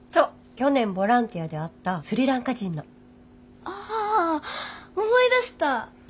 去年ボランティアで会ったスリランカ人の。ああ思い出した。